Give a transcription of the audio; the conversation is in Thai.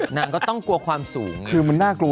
ให้ไปดูคลิปหน่อยครับ